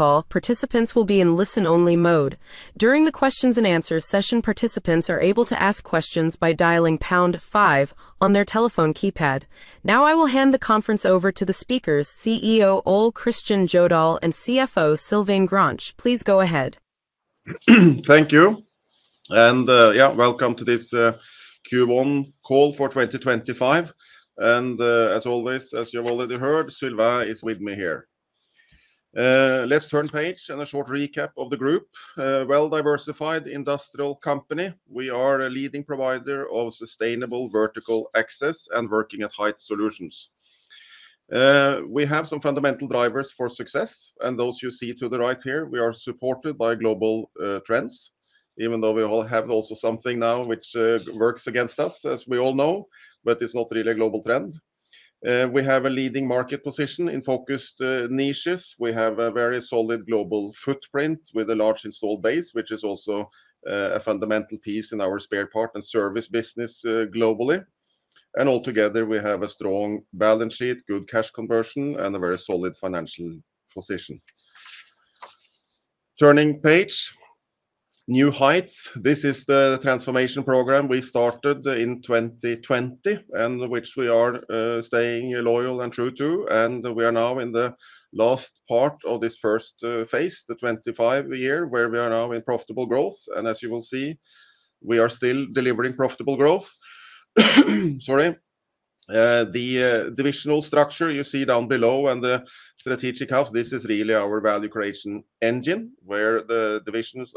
Call, participants will be in listen-only mode. During the Q&A session, participants are able to ask questions by dialing #5 on their telephone keypad. Now I will hand the conference over to the speakers, CEO Ole Kristian Jødahl and CFO Sylvain Grange. Please go ahead. Thank you, and yeah, welcome to this Q1 call for 2025. As always, as you've already heard, Sylvain is with me here. Let's turn page and a short recap of the group. Well-diversified industrial company, we are a leading provider of sustainable vertical access and working at height solutions. We have some fundamental drivers for success, and those you see to the right here, we are supported by global trends, even though we all have also something now which works against us, as we all know, but it's not really a global trend. We have a leading market position in focused niches. We have a very solid global footprint with a large installed base, which is also a fundamental piece in our spare part and service business globally. Altogether, we have a strong balance sheet, good cash conversion, and a very solid financial position. Turning page, new heights. This is the transformation program we started in 2020 and which we are staying loyal and true to. We are now in the last part of this first phase, the 2025 year, where we are now in profitable growth. As you will see, we are still delivering profitable growth. Sorry, the divisional structure you see down below and the strategic house, this is really our value creation engine where the divisions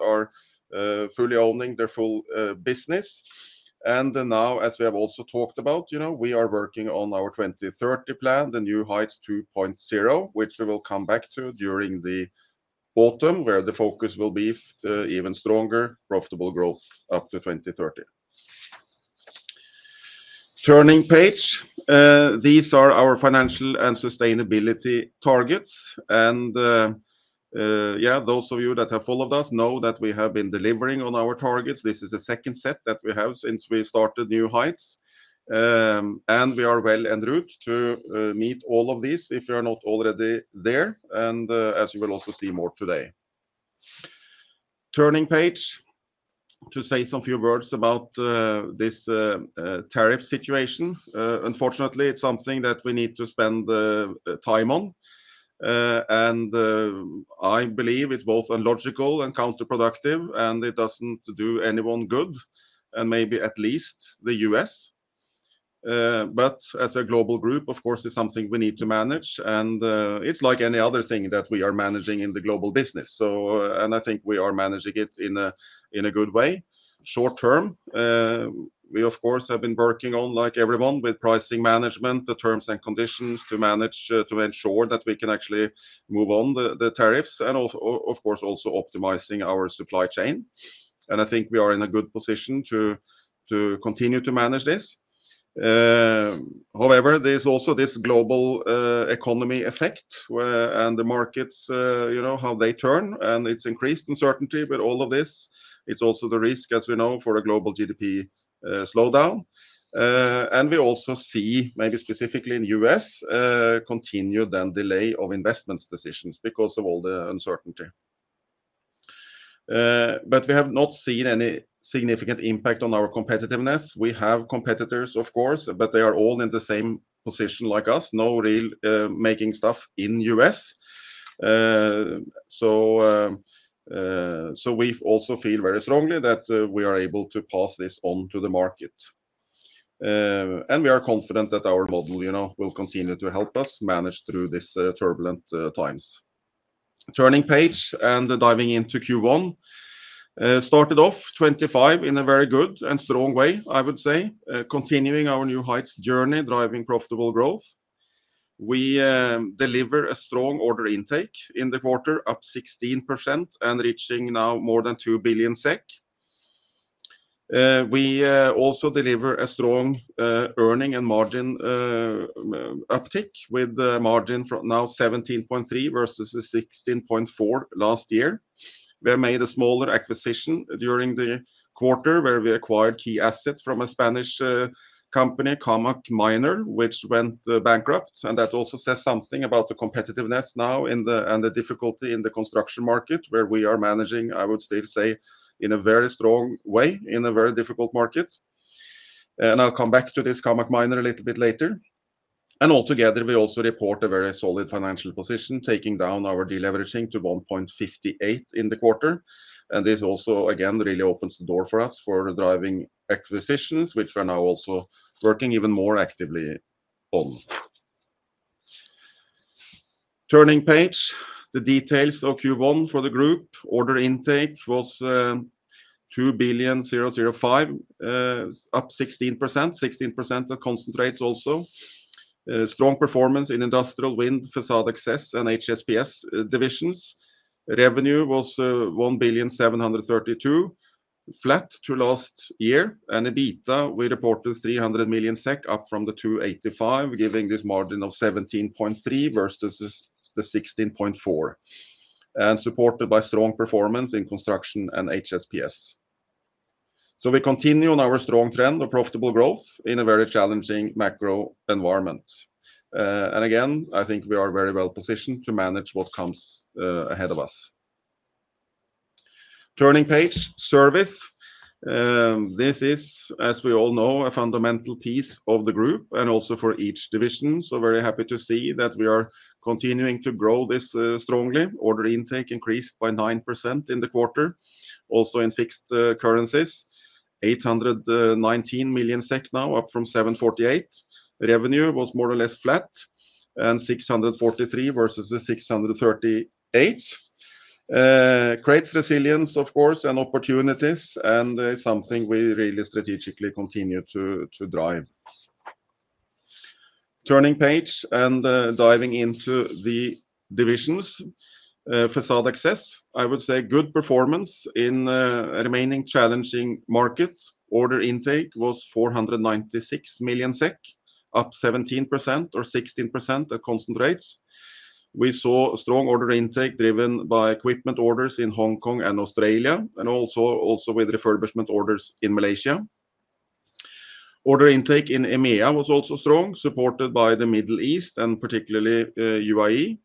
are fully owning their full business. As we have also talked about, you know, we are working on our 2030 plan, the New Heights 2.0, which we will come back to during the autumn, where the focus will be even stronger, profitable growth up to 2030. Turning page, these are our financial and sustainability targets. Those of you that have followed us know that we have been delivering on our targets. This is the second set that we have since we started New Heights. We are well on route to meet all of these if you are not already there, as you will also see more today. Turning page to say some few words about this tariff situation. Unfortunately, it is something that we need to spend time on. I believe it is both unlogical and counterproductive, and it does not do anyone good, maybe at least the U.S. As a global group, of course, it is something we need to manage. It is like any other thing that we are managing in the global business. I think we are managing it in a good way. Short term, we of course have been working on, like everyone, with pricing management, the terms and conditions to manage, to ensure that we can actually move on the tariffs and of course also optimizing our supply chain. I think we are in a good position to continue to manage this. However, there is also this global economy effect and the markets, you know, how they turn, and it is increased uncertainty, but all of this, it is also the risk, as we know, for a global GDP slowdown. We also see, maybe specifically in the U.S., continued delay of investment decisions because of all the uncertainty. We have not seen any significant impact on our competitiveness. We have competitors, of course, but they are all in the same position like us, no real making stuff in the U.S. We also feel very strongly that we are able to pass this on to the market. We are confident that our model, you know, will continue to help us manage through these turbulent times. Turning page and diving into Q1. Started off 2025 in a very good and strong way, I would say, continuing our New Heights journey, driving profitable growth. We deliver a strong order intake in the quarter, up 16% and reaching now more than 2 billion SEK. We also deliver a strong earning and margin uptick with margin from now 17.3% vs 16.4% last year. We have made a smaller acquisition during the quarter where we acquired key assets from a Spanish company, Camac Minor, which went bankrupt. That also says something about the competitiveness now and the difficulty in the construction market where we are managing, I would still say, in a very strong way, in a very difficult market. I will come back to this Camac Minor a little bit later. Altogether, we also report a very solid financial position, taking down our deleveraging to 1.58 billion in the quarter. This also again really opens the door for us for driving acquisitions, which we are now also working even more actively on. Turning page, the details of Q1 for the group, order intake was 2 billion 005, up 16%, 16% that concentrates also. Strong performance in industrial wind, facade access, and HSPS divisions. Revenue was 1 billion 732, flat to last year. EBITDA, we reported 300 million SEK up from the 285 million, giving this margin of 17.3% vs the 16.4%. Supported by strong performance in construction and HSPS. We continue on our strong trend of profitable growth in a very challenging macro environment. I think we are very well positioned to manage what comes ahead of us. Turning page, service. This is, as we all know, a fundamental piece of the group and also for each division. Very happy to see that we are continuing to grow this strongly. Order intake increased by 9% in the quarter, also in fixed currencies, 819 million SEK now, up from 748 million. Revenue was more or less flat, 643 million vs 638 million. Creates resilience, of course, and opportunities, and it is something we really strategically continue to drive. Turning page and diving into the divisions. Facade access, I would say good performance in a remaining challenging market. Order intake was 496 million SEK, up 17% or 16% that concentrates. We saw strong order intake driven by equipment orders in Hong Kong and Australia, and also with refurbishment orders in Malaysia. Order intake in EMEA was also strong, supported by the Middle East and particularly UAE.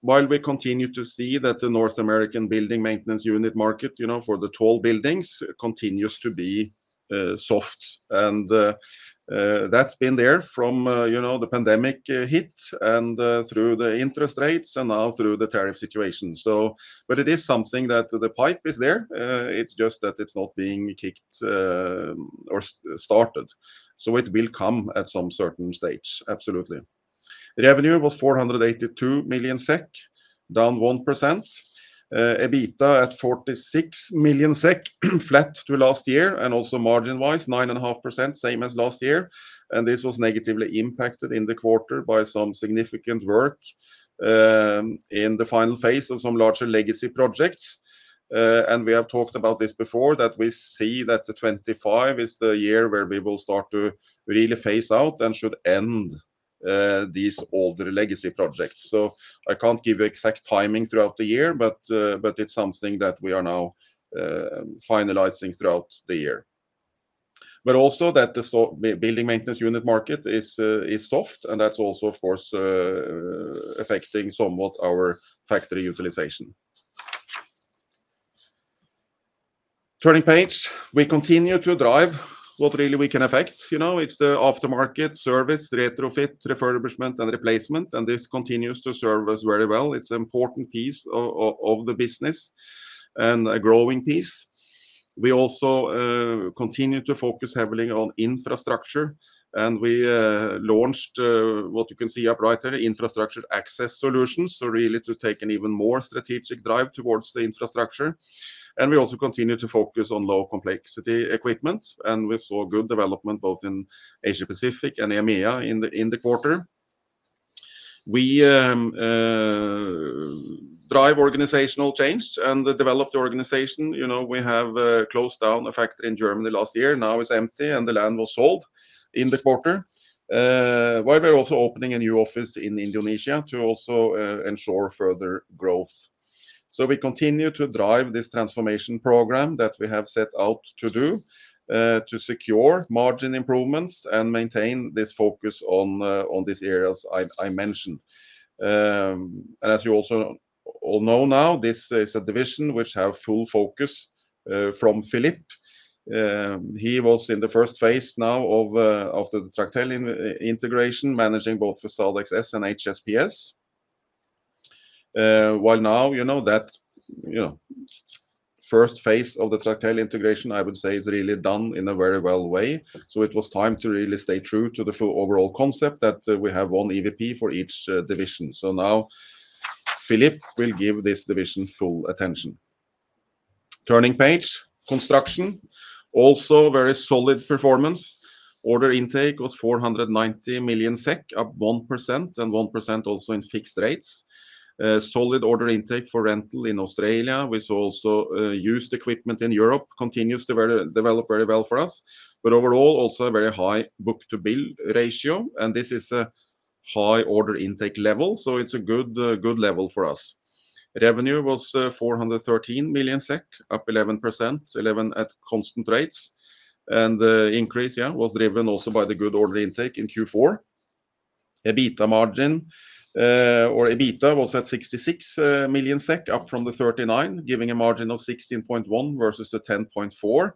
While we continue to see that the North American building maintenance unit market, you know, for the tall buildings continues to be soft. That has been there from, you know, the pandemic hit and through the interest rates and now through the tariff situation. It is something that the PIPE is there. It is just that it is not being kicked or started. It will come at some certain stage, absolutely. Revenue was 482 million SEK, down 1%. EBITDA at 46 million SEK, flat to last year, and also margin-wise, 9.5%, same as last year. This was negatively impacted in the quarter by some significant work in the final phase of some larger legacy projects. We have talked about this before, that we see that 2025 is the year where we will start to really phase out and should end these older legacy projects. I can't give you exact timing throughout the year, but it's something that we are now finalizing throughout the year. Also, the building maintenance unit market is soft, and that's also, of course, affecting somewhat our factory utilization. Turning page, we continue to drive what really we can affect, you know, it's the aftermarket service, retrofit, refurbishment, and replacement. This continues to serve us very well. It's an important piece of the business and a growing piece. We also continue to focus heavily on infrastructure. We launched what you can see up right there, infrastructure access solutions, really to take an even more strategic drive towards the infrastructure. We also continue to focus on low complexity equipment. We saw good development both in Asia Pacific and EMEA in the quarter. We drive organizational change and develop the organization. You know, we have closed down a factory in Germany last year. Now it is empty and the land was sold in the quarter, while we are also opening a new office in Indonesia to also ensure further growth. We continue to drive this transformation program that we have set out to do to secure margin improvements and maintain this focus on these areas I mentioned. As you also all know now, this is a division which has full focus from Philippe. He was in the first phase now of the Tractel integration, managing both facade access and HSPS. While now, you know, that first phase of the Tractel integration, I would say is really done in a very well way. It was time to really stay true to the full overall concept that we have one EVP for each division. Now Philippe will give this division full attention. Turning page, construction, also very solid performance. Order intake was 490 million SEK, up 1% and 1% also in fixed rates. Solid order intake for rental in Australia. We saw also used equipment in Europe continues to develop very well for us. Overall, also a very high book-to-build ratio. This is a high order intake level. It is a good level for us. Revenue was 413 million SEK, up 11%, 11% at constant rates. The increase, yeah, was driven also by the good order intake in Q4. EBITDA margin or EBITDA was at 66 million SEK, up from the 39, giving a margin of 16.1% vs the 10.4%.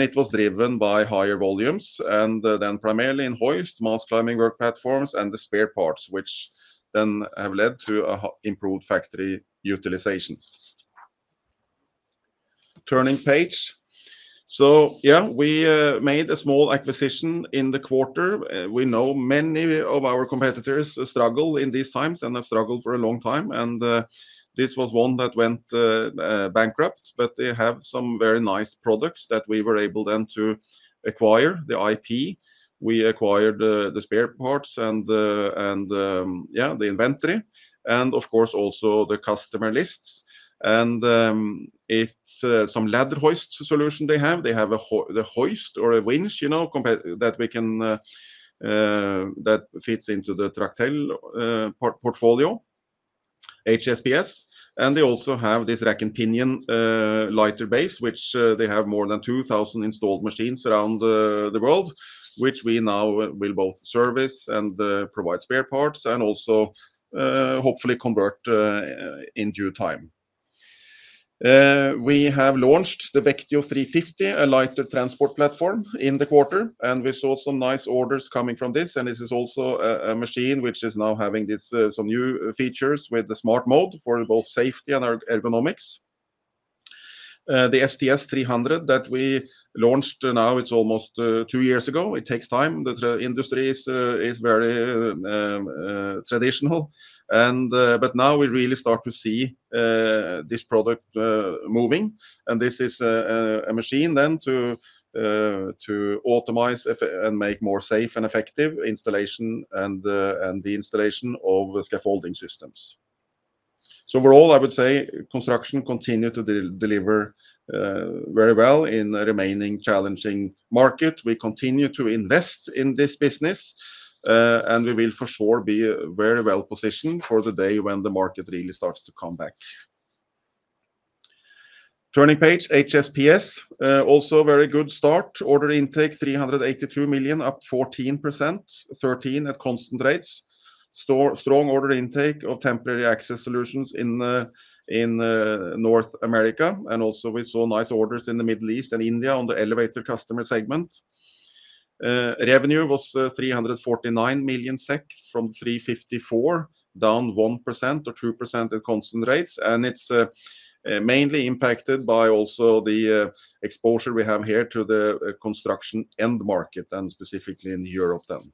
It was driven by higher volumes and then primarily in hoist, mass climbing work platforms, and the spare parts, which then have led to improved factory utilization. Turning page. Yeah, we made a small acquisition in the quarter. We know many of our competitors struggle in these times and have struggled for a long time. This was one that went bankrupt, but they have some very nice products that we were able then to acquire the IP. We acquired the spare parts and, yeah, the inventory and of course also the customer lists. It is some ladder hoist solution they have. They have the hoist or a winch, you know, that we can that fits into the Tractel portfolio, HSPS. They also have this rack and pinion lighter base, which they have more than 2,000 installed machines around the world, which we now will both service and provide spare parts and also hopefully convert in due time. We have launched the Vectio 350, a lighter transport platform in the quarter. We saw some nice orders coming from this. This is also a machine which is now having some new features with the smart mode for both safety and ergonomics. The STS 300 that we launched now, it's almost two years ago. It takes time. The industry is very traditional. Now we really start to see this product moving. This is a machine then to optimize and make more safe and effective installation and the installation of scaffolding systems. Overall, I would say construction continued to deliver very well in a remaining challenging market. We continue to invest in this business. We will for sure be very well positioned for the day when the market really starts to come back. Turning page, HSPS, also very good start. Order intake 382 million, up 14%, 13% at constant rates. Strong order intake of temporary access solutions in North America. We also saw nice orders in the Middle East and India on the elevator customer segment. Revenue was 349 million SEK from 354 million, down 1% or 2% at constant rates. It is mainly impacted by also the exposure we have here to the construction end market and specifically in Europe then.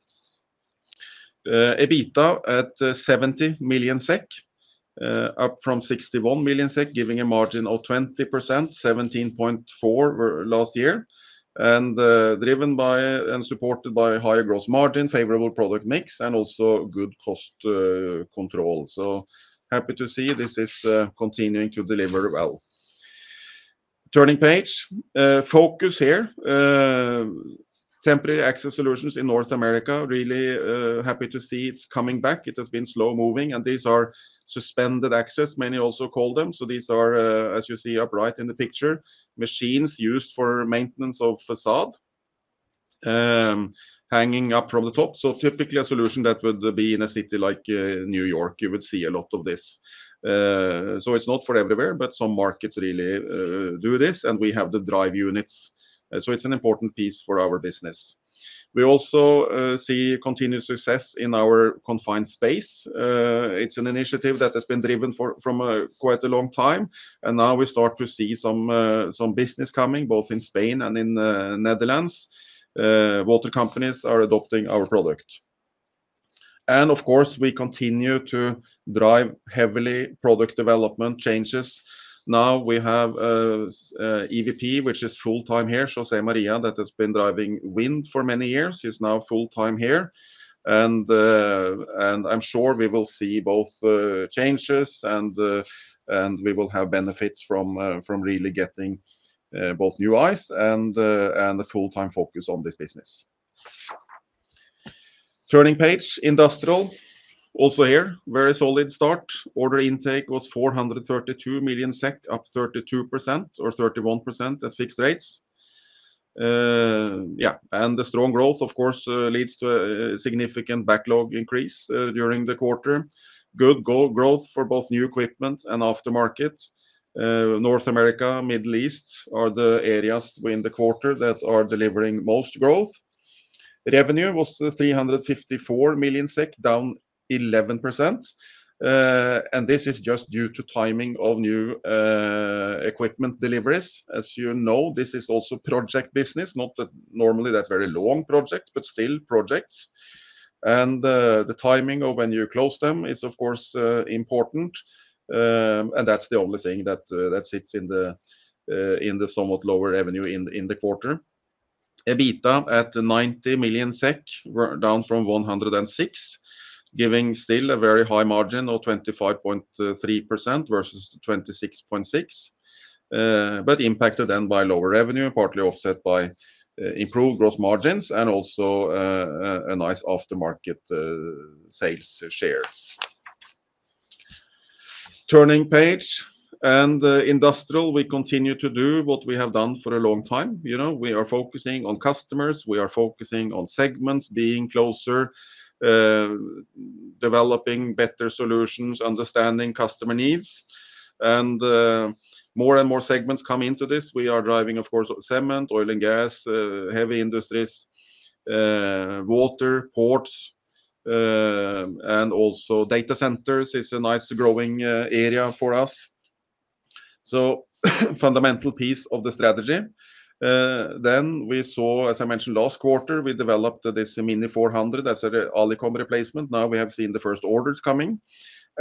EBITDA at 70 million SEK, up from 61 million SEK, giving a margin of 20%, 17.4% last year. Driven by and supported by higher gross margin, favorable product mix, and also good cost control. Happy to see this is continuing to deliver well. Turning page, focus here. Temporary access solutions in North America, really happy to see it's coming back. It has been slow moving. These are suspended access, many also call them. These are, as you see up right in the picture, machines used for maintenance of facade hanging up from the top. Typically a solution that would be in a city like New York, you would see a lot of this. It is not for everywhere, but some markets really do this. We have the drive units. It is an important piece for our business. We also see continued success in our confined space. It's an initiative that has been driven for quite a long time. Now we start to see some business coming both in Spain and in the Netherlands. Water companies are adopting our product. Of course, we continue to drive heavily product development changes. Now we have EVP, which is full-time here. So say Maria that has been driving wind for many years. She's now full-time here. I'm sure we will see both changes and we will have benefits from really getting both new eyes and a full-time focus on this business. Turning page, industrial, also here, very solid start. Order intake was 432 million SEK, up 32% or 31% at fixed rates. Yeah, and the strong growth, of course, leads to a significant backlog increase during the quarter. Good growth for both new equipment and aftermarket. North America, Middle East are the areas in the quarter that are delivering most growth. Revenue was 354 million SEK, down 11%. This is just due to timing of new equipment deliveries. As you know, this is also project business, not that normally that very long project, but still projects. The timing of when you close them is, of course, important. That is the only thing that sits in the somewhat lower revenue in the quarter. EBITDA at 90 million SEK, down from 106 million, giving still a very high margin of 25.3% vs 26.6%. Impacted then by lower revenue, partly offset by improved gross margins and also a nice aftermarket sales share. Turning page and industrial, we continue to do what we have done for a long time. You know, we are focusing on customers. We are focusing on segments being closer, developing better solutions, understanding customer needs. More and more segments come into this. We are driving, of course, cement, oil and gas, heavy industries, water, ports, and also data centers is a nice growing area for us. Fundamental piece of the strategy. As I mentioned last quarter, we developed this Mini 400 as an Olecom replacement. Now we have seen the first orders coming.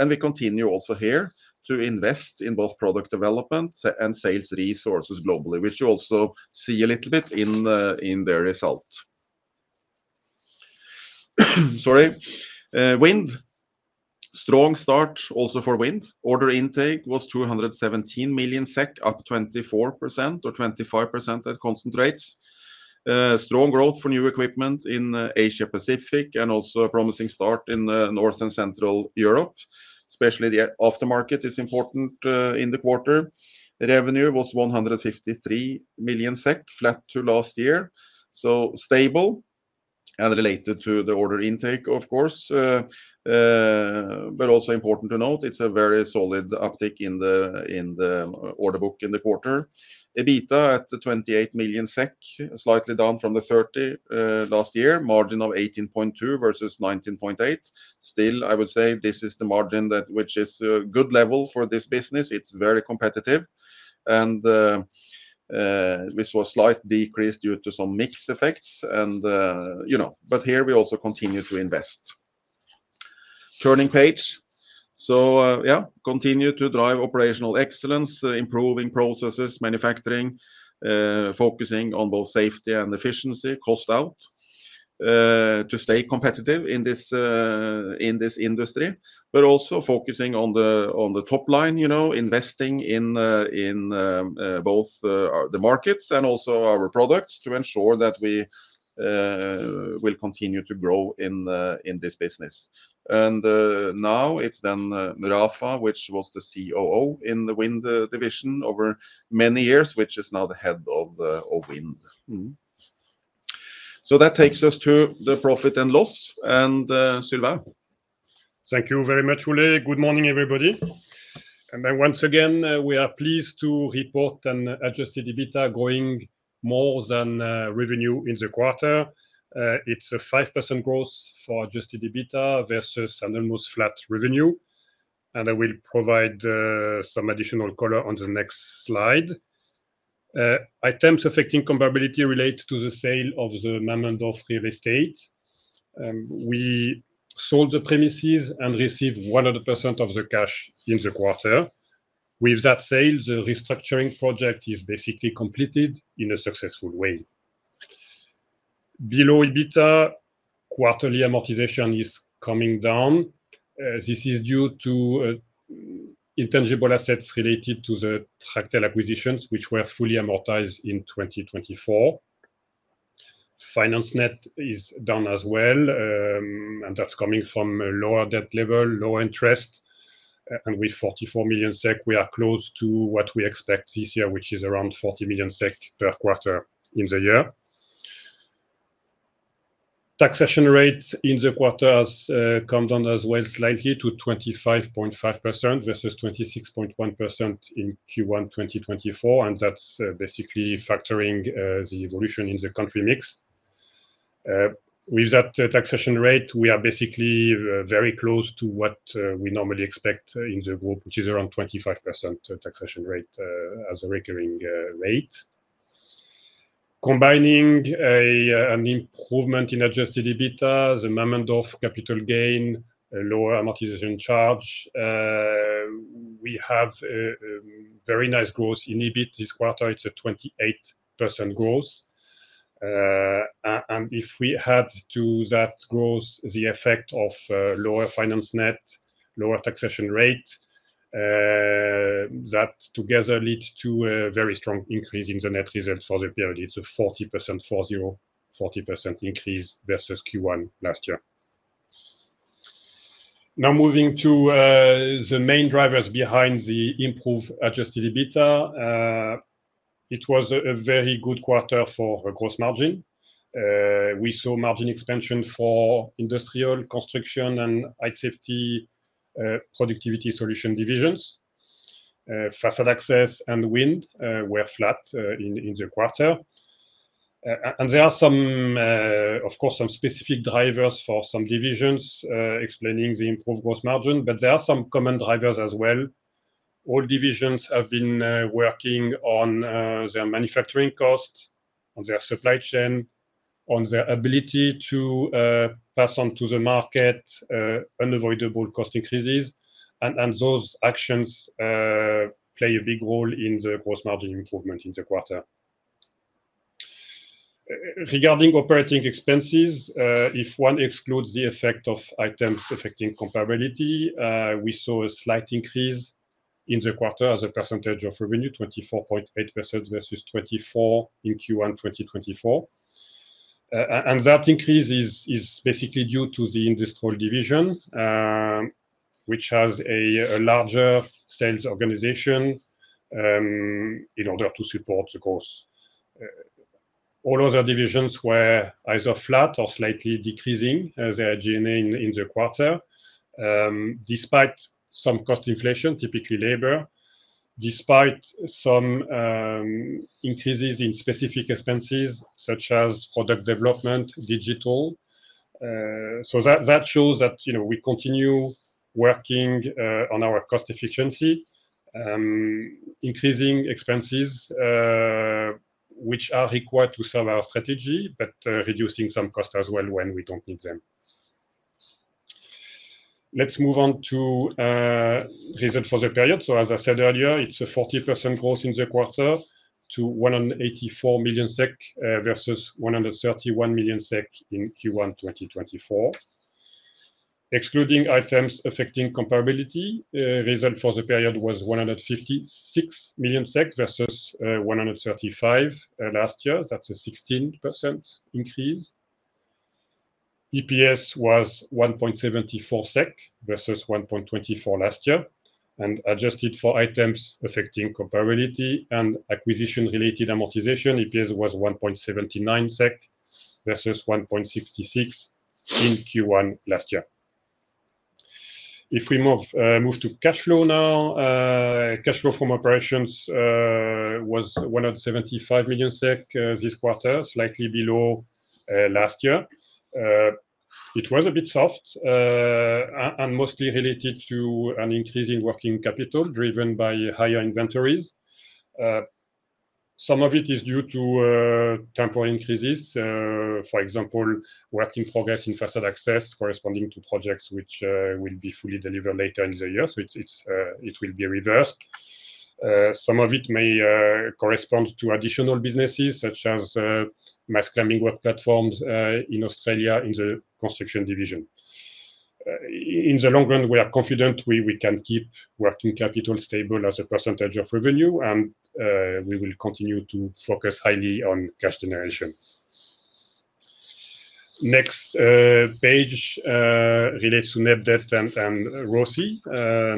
We continue also here to invest in both product development and sales resources globally, which you also see a little bit in the result. Sorry, wind, strong start also for wind. Order intake was 217 million SEK, up 24% or 25% at constant rates. Strong growth for new equipment in Asia Pacific and also a promising start in North and Central Europe. Especially the aftermarket is important in the quarter. Revenue was 153 million SEK, flat to last year. Stable and related to the order intake, of course. Also important to note, it's a very solid uptick in the order book in the quarter. EBITDA at 28 million SEK, slightly down from the 30 million last year, margin of 18.2% vs 19.8%. Still, I would say this is the margin that which is a good level for this business. It's very competitive. We saw a slight decrease due to some mixed effects. You know, here we also continue to invest. Turning page. Yeah, continue to drive operational excellence, improving processes, manufacturing, focusing on both safety and efficiency, cost out to stay competitive in this industry, but also focusing on the top line, you know, investing in both the markets and also our products to ensure that we will continue to grow in this business. Now it is Rafa, who was the COO in the wind division over many years, and is now the head of wind. That takes us to the profit and loss. Sylvain. Thank you very much, Ole. Good morning, everybody. Once again, we are pleased to report an adjusted EBITDA growing more than revenue in the quarter. It is a 5% growth for adjusted EBITDA versus an almost flat revenue. I will provide some additional color on the next slide. Items affecting comparability relate to the sale of the Mammendorf real estate. We sold the premises and received 100% of the cash in the quarter. With that sale, the restructuring project is basically completed in a successful way. Below EBITDA, quarterly amortization is coming down. This is due to intangible assets related to the Tractel acquisitions, which were fully amortized in 2024. Finance net is down as well. That is coming from a lower debt level, lower interest. With 44 million SEK, we are close to what we expect this year, which is around 40 million SEK per quarter in the year. Taxation rates in the quarters come down as well slightly to 25.5% vs 26.1% in Q1 2024. That is basically factoring the evolution in the country mix. With that taxation rate, we are basically very close to what we normally expect in the group, which is around 25% taxation rate as a recurring rate. Combining an improvement in adjusted EBITDA, the Mammendorf capital gain, lower amortization charge, we have a very nice growth in EBIT this quarter. It is a 28% growth. If we add to that growth the effect of lower finance net, lower taxation rate, that together leads to a very strong increase in the net result for the period. It's a 40% increase vs Q1 last year. Now moving to the main drivers behind the improved adjusted EBITDA. It was a very good quarter for gross margin. We saw margin expansion for industrial, construction, and height safety productivity solution divisions. Facade access and wind were flat in the quarter. There are, of course, some specific drivers for some divisions explaining the improved gross margin, but there are some common drivers as well. All divisions have been working on their manufacturing costs, on their supply chain, on their ability to pass on to the market unavoidable cost increases. Those actions play a big role in the gross margin improvement in the quarter. Regarding operating expenses, if one excludes the effect of items affecting comparability, we saw a slight increase in the quarter as a percentage of revenue, 24.8% vs 24% in Q1 2024. That increase is basically due to the industrial division, which has a larger sales organization in order to support the growth. All other divisions were either flat or slightly decreasing their G&A in the quarter, despite some cost inflation, typically labor, despite some increases in specific expenses such as product development, digital. That shows that we continue working on our cost efficiency, increasing expenses which are required to serve our strategy, but reducing some cost as well when we do not need them. Let's move on to results for the period. As I said earlier, it is a 40% growth in the quarter to 184 million SEK vs 131 million SEK in Q1 2024. Excluding items affecting comparability, results for the period was 156 million vs 135 million last year. That's a 16% increase. EPS was 1.74 SEK vs 1.24 last year. Adjusted for items affecting comparability and acquisition-related amortization, EPS was 1.79 SEK vs 1.66 in Q1 last year. If we move to cash flow now, cash flow from operations was 175 million SEK this quarter, slightly below last year. It was a bit soft and mostly related to an increase in working capital driven by higher inventories. Some of it is due to temporary increases, for example, work in progress in facade access corresponding to projects which will be fully delivered later in the year. It will be reversed. Some of it may correspond to additional businesses such as mass climbing work platforms in Australia in the construction division. In the long run, we are confident we can keep working capital stable as a percentage of revenue, and we will continue to focus highly on cash generation. Next page relates to Net Debt and ROSI.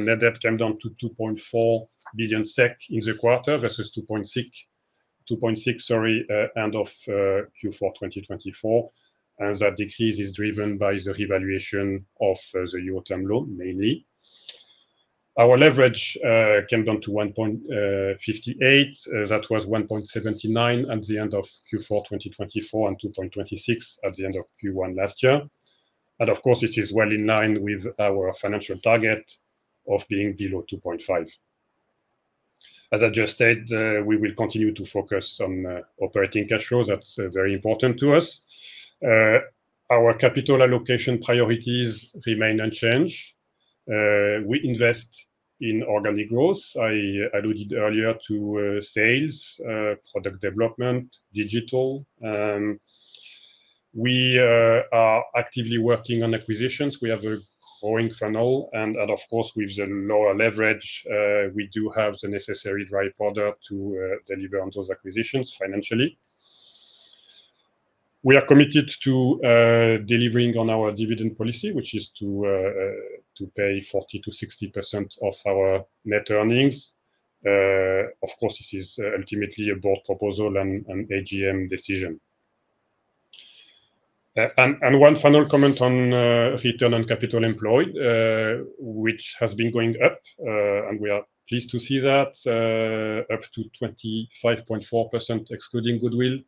Net Debt came down to 2.4 billion SEK in the quarter versus 2.6 billion, sorry, end of Q4 2024. That decrease is driven by the revaluation of the UOTEMA loan mainly. Our leverage came down to 1.58. That was 1.79 at the end of Q4 2024 and 2.26 at the end of Q1 last year. This is well in line with our financial target of being below 2.5. As I just said, we will continue to focus on operating cash flows. That's very important to us. Our capital allocation priorities remain unchanged. We invest in organic growth. I alluded earlier to sales, product development, digital. We are actively working on acquisitions. We have a growing funnel. Of course, with the lower leverage, we do have the necessary dry powder to deliver on those acquisitions financially. We are committed to delivering on our dividend policy, which is to pay 40%-60% of our net earnings. Of course, this is ultimately a board proposal and AGM decision. One final comment on return on capital employed, which has been going up, and we are pleased to see that up to 25.4% excluding goodwill,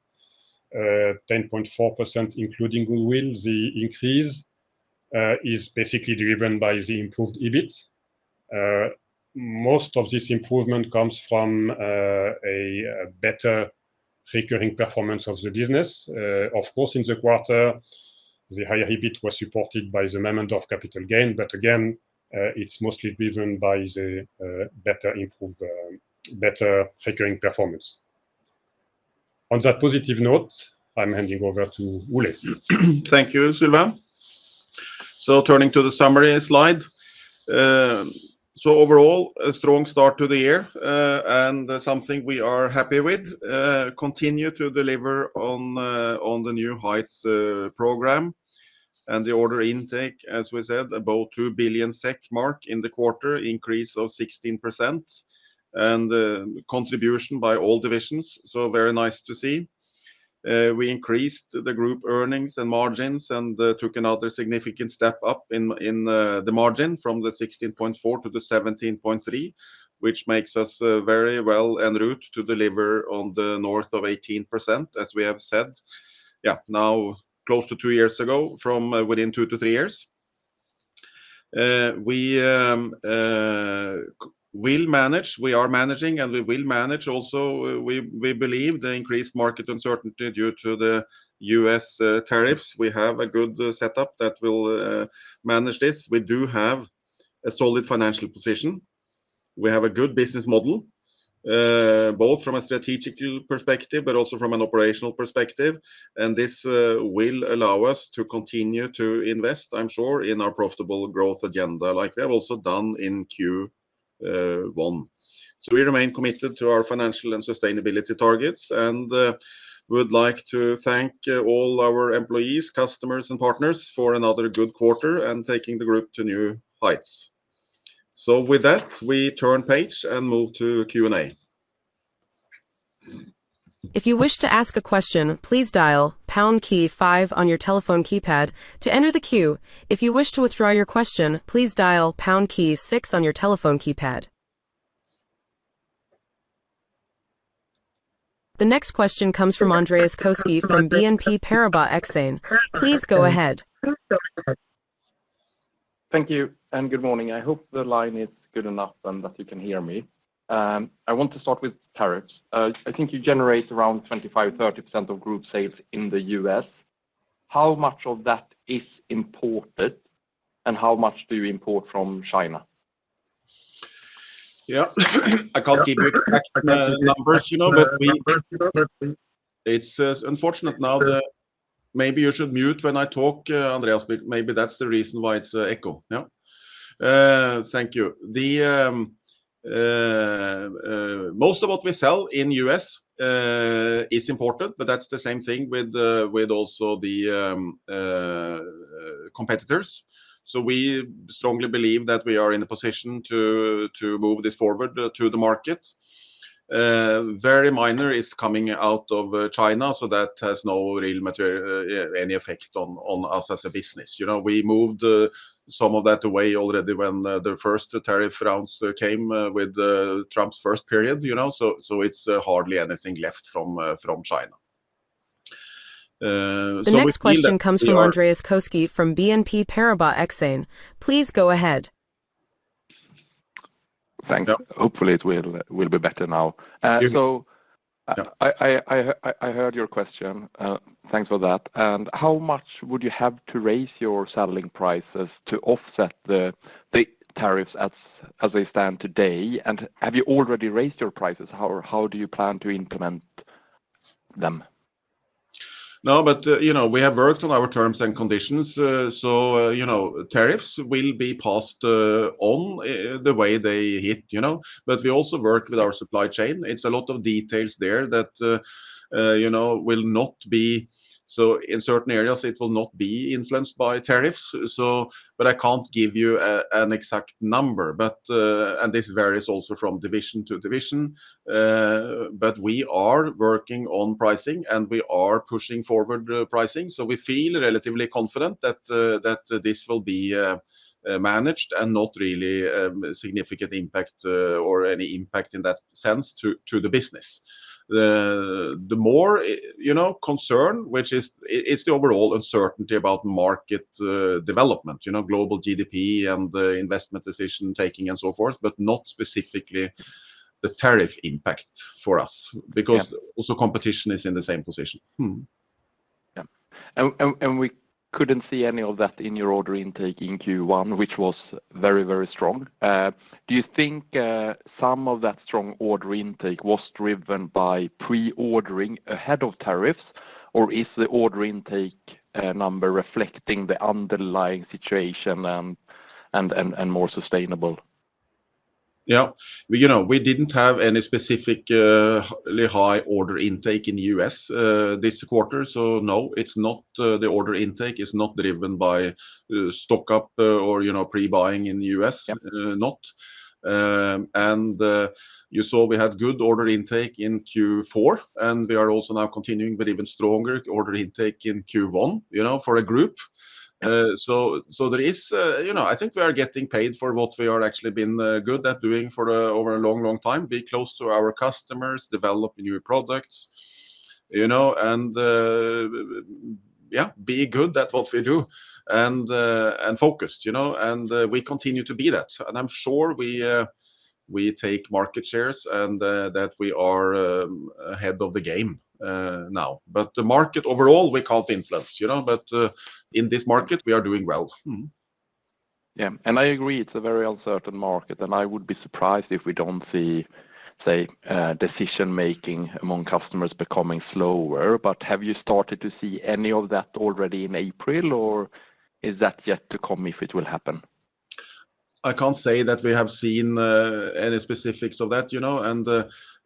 10.4% including goodwill. The increase is basically driven by the improved EBITDA. Most of this improvement comes from a better recurring performance of the business. Of course, in the quarter, the higher EBITDA was supported by the Mammendorf capital gain. Again, it is mostly driven by the better recurring performance. On that positive note, I am handing over to Ole. Thank you, Sylvain. Turning to the summary slide. Overall, a strong start to the year and something we are happy with. Continue to deliver on the New Heights program and the order intake, as we said, about 2 billion SEK mark in the quarter, increase of 16% and contribution by all divisions. Very nice to see. We increased the group earnings and margins and took another significant step up in the margin from 16.4% to 17.3%, which makes us very well on route to deliver on the north of 18%, as we have said. Now close to two years ago from within two to three years. We will manage, we are managing, and we will manage also. We believe the increased market uncertainty due to the U.S. tariffs. We have a good setup that will manage this. We do have a solid financial position. We have a good business model, both from a strategic perspective, but also from an operational perspective. This will allow us to continue to invest, I'm sure, in our profitable growth agenda, like we have also done in Q1. We remain committed to our financial and sustainability targets and would like to thank all our employees, customers, and partners for another good quarter and taking the group to new heights. With that, we turn page and move to Q&A. If you wish to ask a question, please dial pound key five on your telephone keypad to enter the queue. If you wish to withdraw your question, please dial pound key six on your telephone keypad. The next question comes from Andreas Koski from BNP Paribas Exane. Please go ahead. Thank you and good morning. I hope the line is good enough and that you can hear me. I want to start with tariffs. I think you generate around 25%-30% of group sales in the US. How much of that is imported and how much do you import from China? Yeah, I can't give you exact numbers, you know, but it's unfortunate now that maybe you should mute when I talk, Andreas. Maybe that's the reason why it's echo. Yeah, thank you. Most of what we sell in the U.S. is imported, but that's the same thing with also the competitors. We strongly believe that we are in a position to move this forward to the market. Very minor is coming out of China, so that has no real material any effect on us as a business. You know, we moved some of that away already when the first tariff rounds came with Trump's first period, you know, so it's hardly anything left from China. The next question comes from Andreas Koski from BNP Paribas Exane. Please go ahead. Thank you. Hopefully it will be better now. I heard your question. Thanks for that. How much would you have to raise your saddling prices to offset the tariffs as they stand today? Have you already raised your prices? How do you plan to implement them? No, but you know, we have worked on our terms and conditions. Tariffs will be passed on the way they hit, you know, but we also work with our supply chain. It's a lot of details there that, you know, will not be, so in certain areas, it will not be influenced by tariffs. I can't give you an exact number, and this varies also from division to division. We are working on pricing and we are pushing forward pricing. We feel relatively confident that this will be managed and not really significant impact or any impact in that sense to the business. The more, you know, concern, which is the overall uncertainty about market development, you know, global GDP and investment decision taking and so forth, but not specifically the tariff impact for us because also competition is in the same position. Yeah. We could not see any of that in your order intake in Q1, which was very, very strong. Do you think some of that strong order intake was driven by pre-ordering ahead of tariffs, or is the order intake number reflecting the underlying situation and more sustainable? Yeah, you know, we did not have any specifically high order intake in the U.S. this quarter. So no, the order intake is not driven by stock up or, you know, pre-buying in the US, not. You saw we had good order intake in Q4, and we are also now continuing with even stronger order intake in Q1, you know, for a group. There is, you know, I think we are getting paid for what we are actually being good at doing for over a long, long time, be close to our customers, develop new products, you know, and yeah, be good at what we do and focused, you know, and we continue to be that. I am sure we take market shares and that we are ahead of the game now, but the market overall we cannot influence, you know, but in this market we are doing well. Yeah, I agree. It is a very uncertain market, and I would be surprised if we do not see, say, decision making among customers becoming slower. Have you started to see any of that already in April, or is that yet to come if it will happen? I can't say that we have seen any specifics of that, you know, and,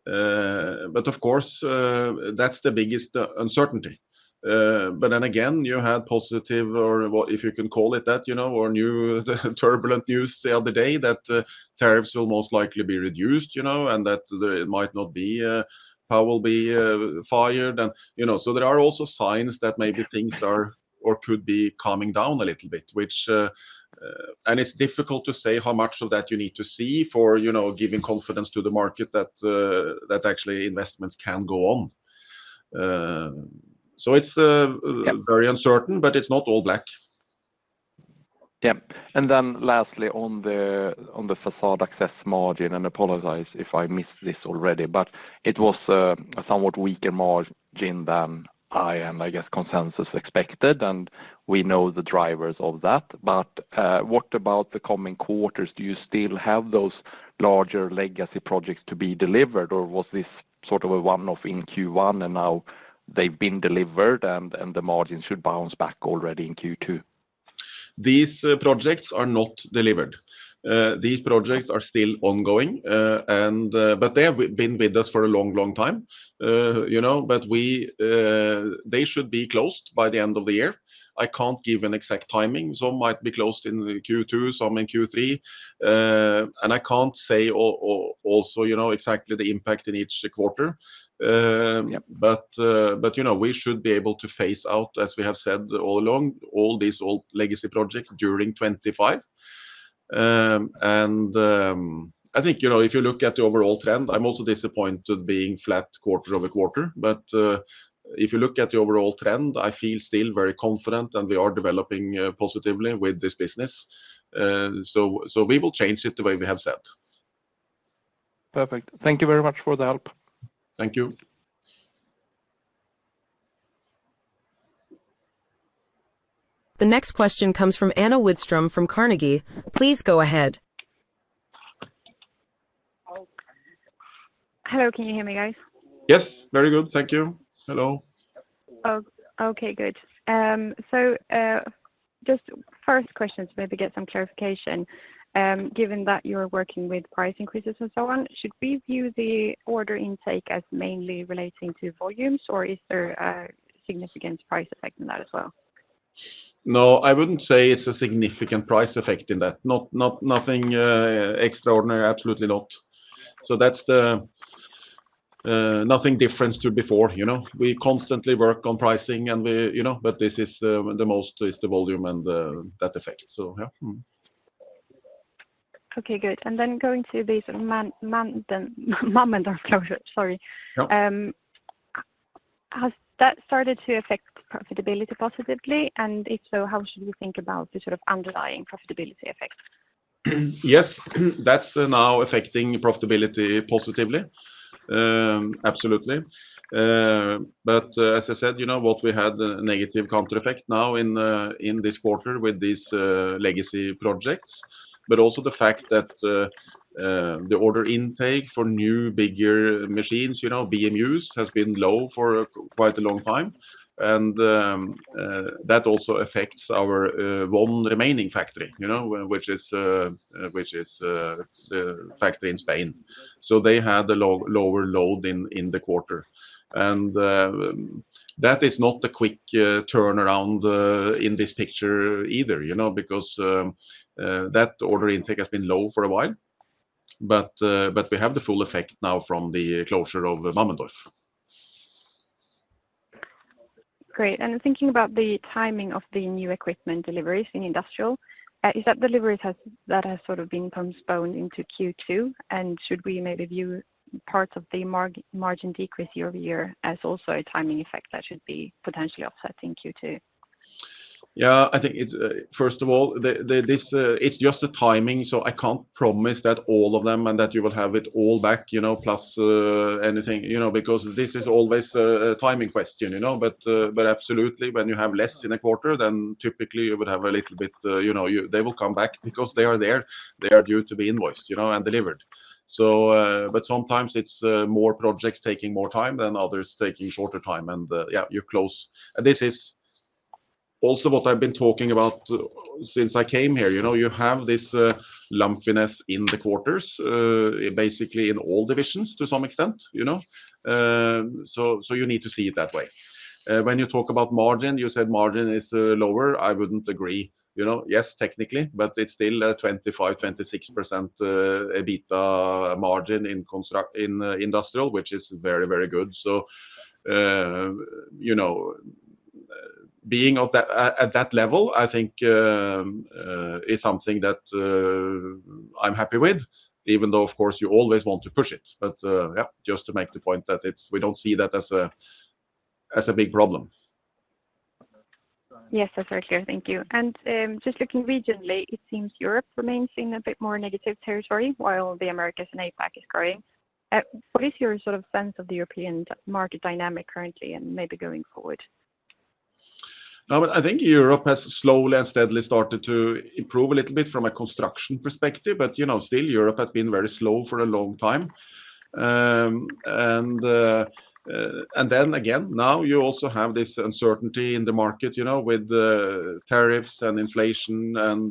but of course, that's the biggest uncertainty. Then again, you had positive or what if you can call it that, you know, or new turbulent news the other day that tariffs will most likely be reduced, you know, and that it might not be Powell be fired and, you know, so there are also signs that maybe things are or could be coming down a little bit, which, and it's difficult to say how much of that you need to see for, you know, giving confidence to the market that that actually investments can go on. It is very uncertain, but it's not all black. Yeah. Lastly, on the facade access margin, I apologize if I missed this already, but it was a somewhat weaker margin than I and I guess consensus expected, and we know the drivers of that. What about the coming quarters? Do you still have those larger legacy projects to be delivered, or was this sort of a one-off in Q1 and now they've been delivered and the margin should bounce back already in Q2? These projects are not delivered. These projects are still ongoing, and they have been with us for a long, long time, you know, but they should be closed by the end of the year. I can't give an exact timing. Some might be closed in Q2, some in Q3, and I can't say also, you know, exactly the impact in each quarter. But, you know, we should be able to phase out, as we have said all along, all these old legacy projects during 2025. I think, you know, if you look at the overall trend, I'm also disappointed being flat quarter over quarter. If you look at the overall trend, I feel still very confident and we are developing positively with this business. We will change it the way we have said. Perfect. Thank you very much for the help. Thank you. The next question comes from Anna Woodstrom from Carnegie. Please go ahead. Hello, can you hear me, guys? Yes, very good. Thank you. Hello. Okay, good. Just first question to maybe get some clarification. Given that you're working with price increases and so on, should we view the order intake as mainly relating to volumes, or is there a significant price effect in that as well? No, I wouldn't say it's a significant price effect in that. Nothing extraordinary, absolutely not. That's nothing different to before, you know, we constantly work on pricing and we, you know, but most is the volume and that effect. Yeah. Okay, good. Going to these Mammendorf projects, sorry. Has that started to affect profitability positively? If so, how should we think about the sort of underlying profitability effect? Yes, that's now affecting profitability positively. Absolutely. As I said, you know, we had a negative counter effect now in this quarter with these legacy projects, but also the fact that the order intake for new bigger machines, you know, BMUs, has been low for quite a long time. That also affects our one remaining factory, you know, which is the factory in Spain. They had a lower load in the quarter. That is not a quick turnaround in this picture either, you know, because that order intake has been low for a while, but we have the full effect now from the closure of Mammendorf. Great. Thinking about the timing of the new equipment deliveries in industrial, is that delivery that has sort of been postponed into Q2? Should we maybe view parts of the margin decrease year over year as also a timing effect that should be potentially offset in Q2? Yeah, I think first of all, it's just the timing. I can't promise that all of them and that you will have it all back, you know, plus anything, you know, because this is always a timing question, you know, but absolutely when you have less in a quarter, then typically you would have a little bit, you know, they will come back because they are there. They are due to be invoiced, you know, and delivered. Sometimes it's more projects taking more time than others taking shorter time. Yeah, you close. This is also what I've been talking about since I came here, you know, you have this lumpiness in the quarters, basically in all divisions to some extent, you know. You need to see it that way. When you talk about margin, you said margin is lower. I wouldn't agree, you know, yes, technically, but it's still a 25%-26% EBITDA margin in industrial, which is very, very good. You know, being at that level, I think is something that I'm happy with, even though of course you always want to push it. Just to make the point that we don't see that as a big problem. Yes, that's very clear. Thank you. Just looking regionally, it seems Europe remains in a bit more negative territory while the Americas and APAC is growing. What is your sort of sense of the European market dynamic currently and maybe going forward? No, but I think Europe has slowly and steadily started to improve a little bit from a construction perspective, but you know, still Europe has been very slow for a long time. You also have this uncertainty in the market, you know, with tariffs and inflation and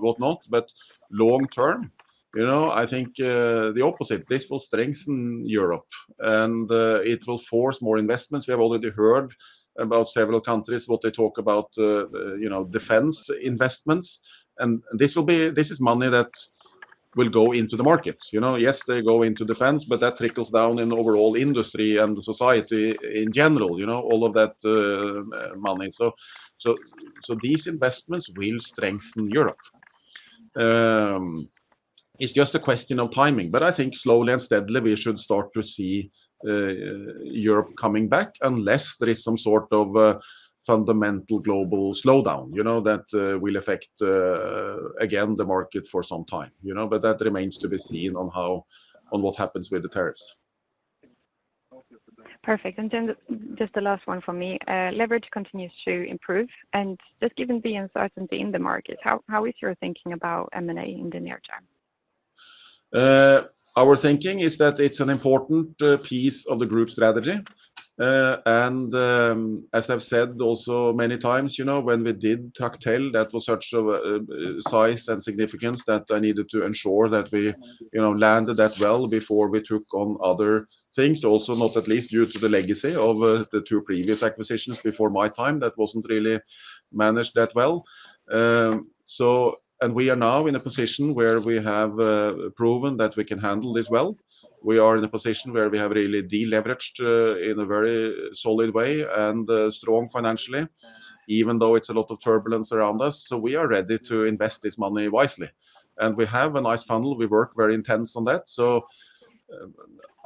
whatnot, but long term, you know, I think the opposite, this will strengthen Europe and it will force more investments. We have already heard about several countries what they talk about, you know, defense investments. This will be, this is money that will go into the market, you know. Yes, they go into defense, but that trickles down in overall industry and society in general, you know, all of that money. These investments will strengthen Europe. It's just a question of timing, but I think slowly and steadily we should start to see Europe coming back unless there is some sort of fundamental global slowdown, you know, that will affect again the market for some time, you know, but that remains to be seen on what happens with the tariffs. Perfect. Then just the last one for me. Leverage continues to improve. Just given the uncertainty in the market, how is your thinking about M&A in the near term? Our thinking is that it's an important piece of the group strategy. As I've said also many times, you know, when we did Tractel, that was such a size and significance that I needed to ensure that we, you know, landed that well before we took on other things. Also, not at least due to the legacy of the two previous acquisitions before my time that wasn't really managed that well. We are now in a position where we have proven that we can handle this well. We are in a position where we have really deleveraged in a very solid way and strong financially, even though it's a lot of turbulence around us. We are ready to invest this money wisely. We have a nice funnel. We work very intense on that.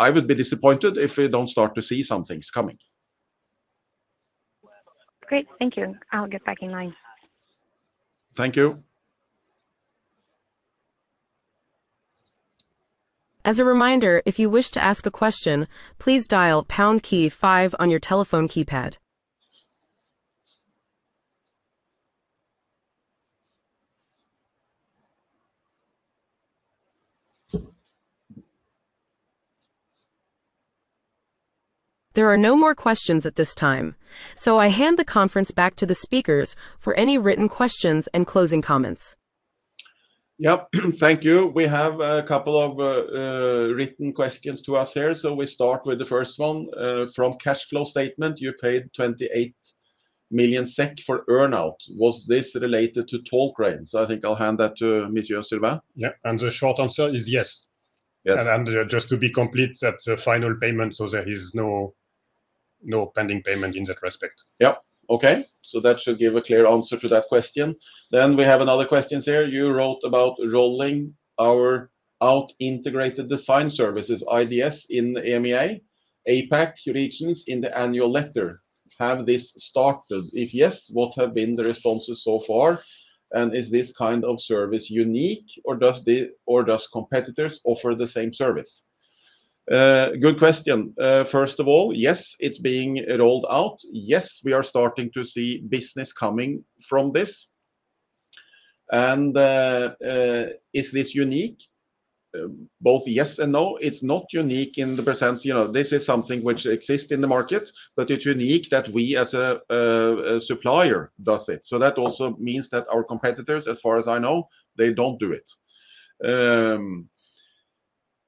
I would be disappointed if we don't start to see some things coming. Great. Thank you. I'll get back in line. Thank you. As a reminder, if you wish to ask a question, please dial Pound Key five on your telephone keypad. There are no more questions at this time. I hand the conference back to the speakers for any written questions and closing comments. Yep. Thank you. We have a couple of written questions to us here. We start with the first one from Cashflow Statement. You paid 28 million SEK for earnout. Was this related to toll grains? I think I'll hand that to Monsieur Silva. Yeah. The short answer is yes. Just to be complete, that's a final payment. There is no pending payment in that respect. Yep. That should give a clear answer to that question. We have another question here. You wrote about rolling out integrated design services, IDS, in EMEA, APAC regions in the annual letter. Has this started? If yes, what have been the responses so far? Is this kind of service unique or do competitors offer the same service? Good question. First of all, yes, it's being rolled out. Yes, we are starting to see business coming from this. Is this unique? Both yes and no. It's not unique in the presence, you know, this is something which exists in the market, but it's unique that we as a supplier do it. That also means that our competitors, as far as I know, they don't do it.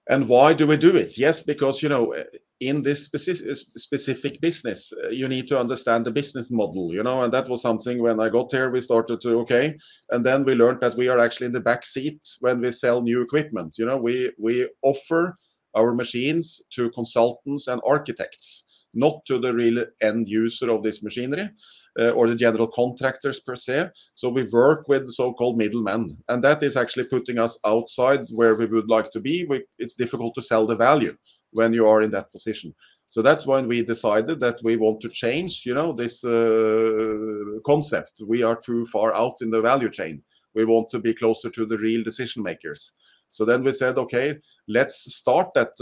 Why do we do it? Yes, because, you know, in this specific business, you need to understand the business model, you know, and that was something when I got there, we started to, okay, and then we learned that we are actually in the backseat when we sell new equipment, you know, we offer our machines to consultants and architects, not to the real end user of this machinery or the general contractors per se. We work with so-called middlemen. That is actually putting us outside where we would like to be. It's difficult to sell the value when you are in that position. That is when we decided that we want to change, you know, this concept. We are too far out in the value chain. We want to be closer to the real decision makers. We said, okay, let's start that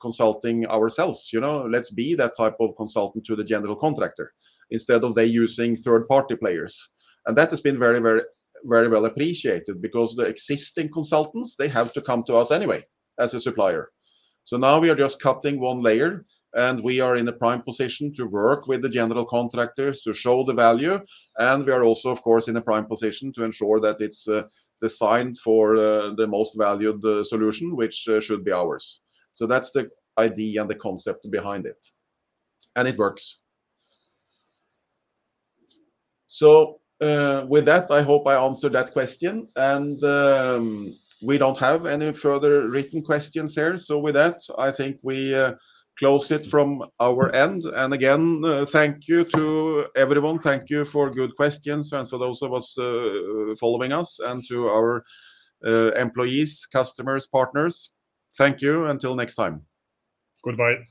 consulting ourselves, you know, let's be that type of consultant to the general contractor instead of they using third-party players. That has been very, very, very well appreciated because the existing consultants, they have to come to us anyway as a supplier. Now we are just cutting one layer and we are in a prime position to work with the general contractors to show the value. We are also, of course, in a prime position to ensure that it is designed for the most valued solution, which should be ours. That is the idea and the concept behind it. It works. I hope I answered that question and we do not have any further written questions here. With that, I think we close it from our end. Again, thank you to everyone. Thank you for good questions and for those of us following us and to our employees, customers, partners. Thank you. Until next time. Goodbye.